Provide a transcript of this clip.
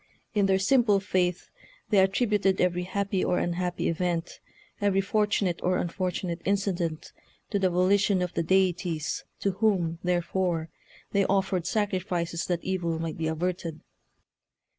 In their simple faith they attributed every happy or unhappy event, every fortunate or unfortunate incident, to the volition of the deities, to whom, therefore, they offered sacrifices that evil might be averted."